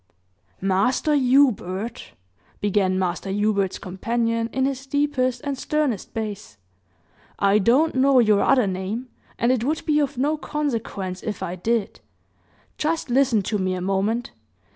"Master Hubert," began Master Hubert's companion, in his deepest and sternest bass, "I don't know your other name, and it would be of no consequence if I did just listen to me a moment.